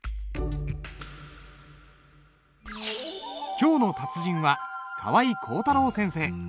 今日の達人は川合広太郎先生。